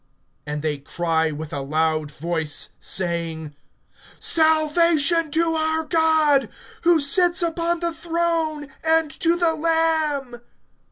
(10)And they cry with a loud voice, saying: Salvation to our God, who sits upon the throne, and to the Lamb.